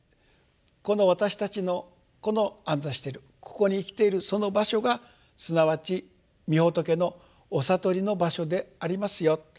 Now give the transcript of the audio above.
この私たちのこの安座してるここに生きているその場所がすなわちみ仏のお悟りの場所でありますよ。